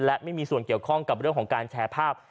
และไม่มีส่วนเกี่ยวข้องกับเรื่องของการแชร์ภาพ